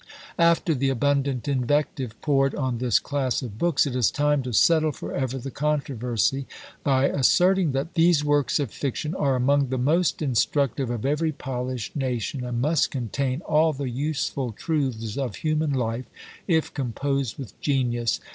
After the abundant invective poured on this class of books, it is time to settle for ever the controversy, by asserting that these works of fiction are among the most instructive of every polished nation, and must contain all the useful truths of human life, if composed with genius.